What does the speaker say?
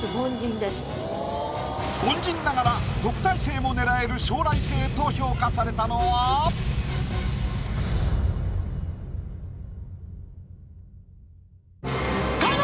凡人ながら特待生も狙える将来性と評価されたのは⁉加納！